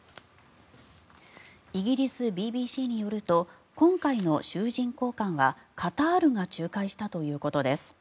イギリスＢＢＣによると今回の囚人交換はカタールが仲介したということです。